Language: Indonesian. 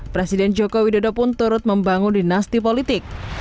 presiden jokowi dodo pun turut membangun dinasti politik